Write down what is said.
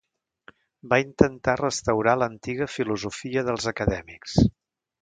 Va intentar restaurar l'antiga filosofia dels acadèmics.